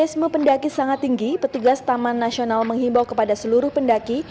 antusias memendaki sangat tinggi petugas taman nasional menghibau kepada seluruh pendaki